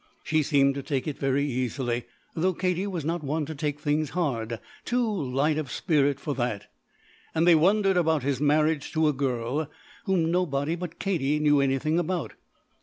She seemed to take it very easily; though Katie was not one to take things hard, too light of spirit for that. And they wondered about his marriage to a girl whom nobody but Katie knew anything about.